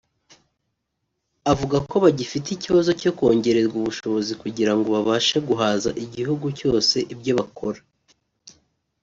Avuga ko bagifite ikibazo cyo kongererwa ubushobozi kugira ngo babashe guhaza igihugu cyose ibyo bakora